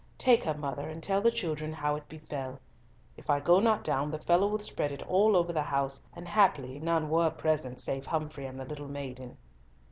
Take her, mother, and tell the children how it befell; if I go not down, the fellow will spread it all over the house, and happily none were present save Humfrey and the little maiden."